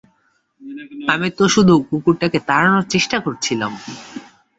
আমি তো শুধু কুকুরটাকে তাড়ানোর চেষ্টা করছিলাম!